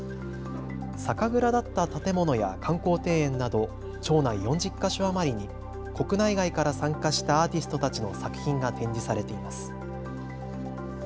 酒蔵だった建物や観光庭園など町内４０か所余りに国内外から参加したアーティストたちの作品が展示されています。